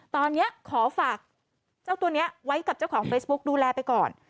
ตอนนี้ขอฝากเจ้าตัวนี้ไว้กับเจ้าของเฟซบุ๊กดูแลไปก่อน